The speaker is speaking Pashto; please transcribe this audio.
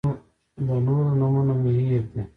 د نورو نومونه مې هېر دي.